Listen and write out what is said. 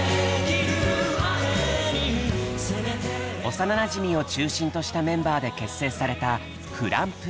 幼なじみを中心としたメンバーで結成されたｆｌｕｍｐｏｏｌ。